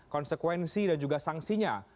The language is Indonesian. konsekuensi dan juga sangsinya